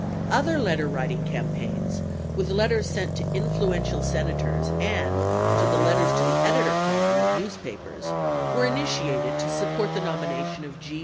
37 Other letterwriting campaigns with letters sent to influential Sen ators and to the "letters to the editor" column of newspapers were initiated to support the nomination of G.